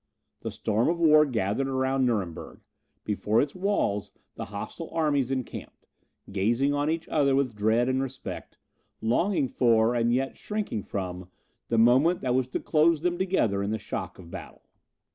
The storm of war gathered around Nuremberg; before its walls the hostile armies encamped; gazing on each other with dread and respect, longing for, and yet shrinking from, the moment that was to close them together in the shock of battle.